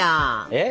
えっ？